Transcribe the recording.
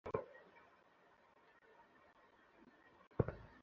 সে ও আল-কায়েদার কর্মী।